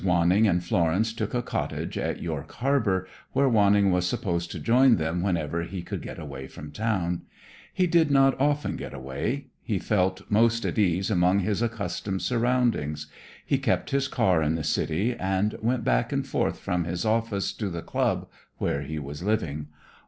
Wanning and Florence took a cottage at York Harbor where Wanning was supposed to join them whenever he could get away from town. He did not often get away. He felt most at ease among his accustomed surroundings. He kept his car in the city and went back and forth from his office to the club where he was living.